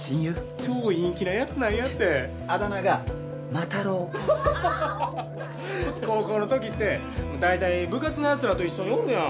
超陰気なやつなんやってあだ名が魔太郎高校のときって大体部活のやつらと一緒におるやん